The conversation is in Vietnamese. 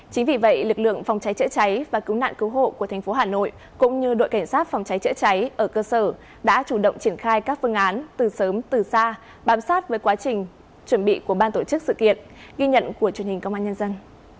chính vì vậy lực lượng phòng cháy chữa cháy và cứu nạn cứu hộ của thành phố hà nội cũng như đội cảnh sát phòng cháy chữa cháy ở cơ sở đã chủ động triển khai các phương án từ sớm từ xa bám sát với quá trình chuẩn bị của ban tổ chức sự kiện ghi nhận của truyền hình công an nhân dân